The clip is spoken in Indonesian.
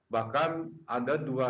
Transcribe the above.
bahkan ada dua